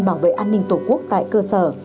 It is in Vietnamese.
bảo vệ an ninh tổ quốc tại cơ sở